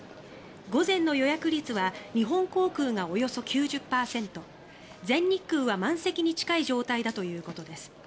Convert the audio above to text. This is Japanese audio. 午前の予約率は日本航空がおよそ９０％全日空は満席に近い状態だということです。